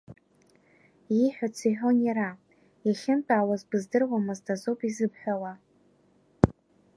Ииҳәац иҳәон иара, иахьынтәаауаз быздыруамызт азоуп изыбҳәауа…